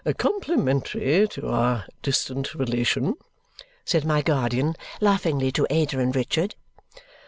"Complimentary to our distant relation!" said my guardian laughingly to Ada and Richard.